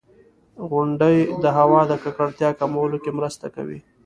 • غونډۍ د هوا د ککړتیا کمولو کې مرسته کوي.